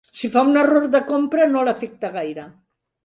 Si fa un error de compra, no l'afecta gaire.